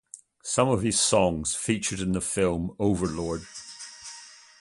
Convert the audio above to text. Some of his songs featured in the film "Overlord"